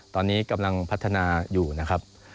ตอนนี้กำลังพัฒนาอยู่นะครับ